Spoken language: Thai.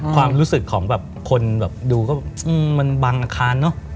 ความรู้สึกของคนดูก็มันบังอาคารเนอะ